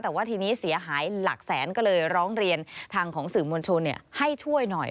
แต่ว่าทีนี้เสียหายหลักแสนก็เลยร้องเรียนทางของสื่อมวลชนให้ช่วยหน่อย